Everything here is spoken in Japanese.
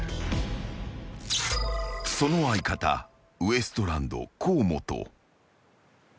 ［その相方ウエストランド河本］